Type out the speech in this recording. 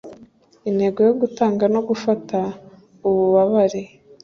Intego yo gutanga no gufata ububabare